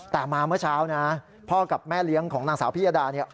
แต่มาเมื่อเช้านะพ่อกับแม่เลี้ยงของนางสาวพิยดาเนี่ย